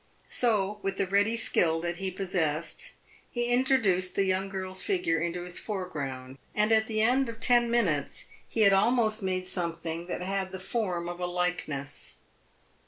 So, with the ready skill that he possessed, he introduced the young girl's figure into his foreground, and at the end of ten minutes he had almost made something that had the form of a likeness.